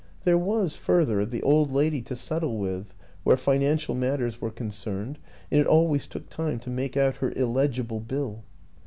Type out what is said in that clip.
There was, further, the old lady to settle with where financial matters were con cerned, and it always took time to make out her illegible bill.